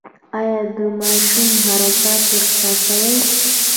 ایا د ماشوم حرکت احساسوئ؟